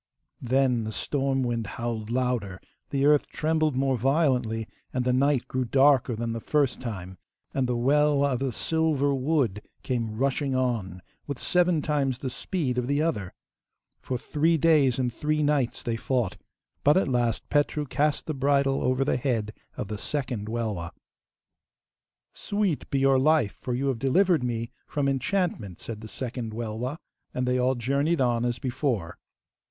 Then the storm wind howled louder, the earth trembled more violently, and the night grew darker, than the first time, and the Welwa of the silver wood came rushing on with seven times the speed of the other. For three days and three nights they fought, but at last Petru cast the bridle over the head of the second Welwa. 'Sweet be your life, for you have delivered me from enchantment,' said the second Welwa, and they all journeyed on as before.